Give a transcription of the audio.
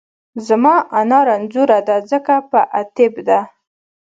زما انا رنځورۀ دۀ ځکه په اتېب دۀ